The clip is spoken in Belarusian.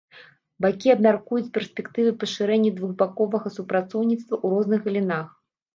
Бакі абмяркуюць перспектывы пашырэння двухбаковага супрацоўніцтва ў розных галінах.